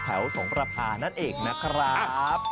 สงประพานั่นเองนะครับ